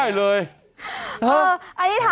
โอ้โหโอ้โหโอ้โห